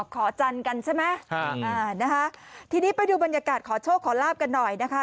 ขอจันทร์กันใช่ไหมทีนี้ไปดูบรรยากาศขอโชคขอลาบกันหน่อยนะคะ